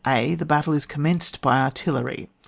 The battle is commenced by artil lery.